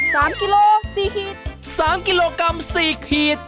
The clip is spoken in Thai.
สามกิโลกรัมสี่ขีดสามกิโลกรัมสี่ขีด